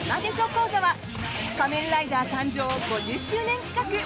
講座」は「仮面ライダー」誕生５０周年企画。